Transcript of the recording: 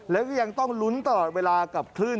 แล้วก็ยังต้องลุ้นตลอดเวลากับคลื่น